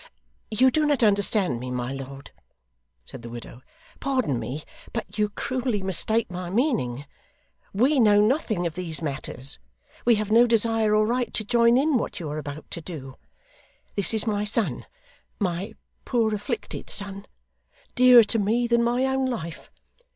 'You do not understand me, my lord,' said the widow. 'Pardon me, but you cruelly mistake my meaning. We know nothing of these matters. We have no desire or right to join in what you are about to do. This is my son, my poor afflicted son, dearer to me than my own life.